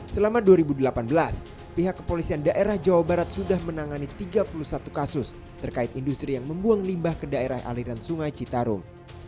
selama dua ribu delapan belas pihak kepolisian daerah jawa barat sudah menangani tiga puluh satu kasus terkait industri yang membuang limbah ke daerah aliran sungai citarum